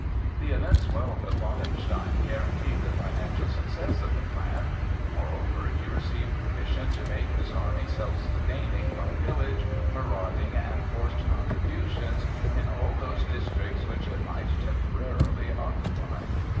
The immense wealth of Wallenstein guaranteed the financial success of the plan; moreover he received permission to make his army self sustaining by pillage, marauding, and forced contributions in all those districts which it might temporarily occupy.